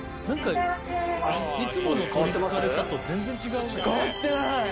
いつもの「取り憑かれた」と全然違うね。